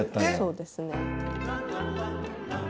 そうですね。